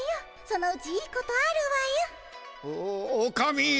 そのうちいいことあるわよ。おおおかみ。